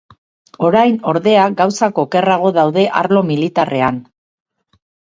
Orain, ordea, gauzak okerrago daude arlo militarrean.